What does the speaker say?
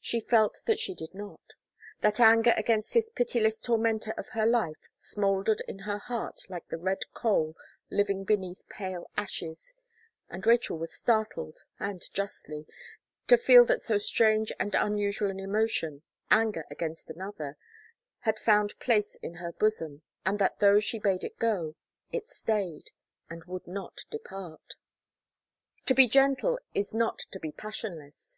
She felt that she did not; that anger against this pitiless tormentor of her life smouldered in her heart like the red coal living beneath pale ashes; and Rachel was startled, and justly, to feel that so strange and unusual an emotion, anger against another, had found place in her bosom, and that though she bade it go, it stayed, and would not depart. To be gentle is not to be passionless.